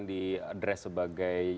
di adres sebagai